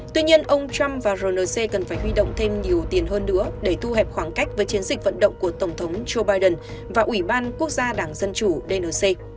tuy nhiên ông trump và rnc cần phải huy động thêm nhiều tiền hơn nữa để thu hẹp khoảng cách với chiến dịch vận động của tổng thống joe biden và ủy ban quốc gia đảng dân chủ dnc